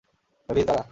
Mavis, দাঁড়া!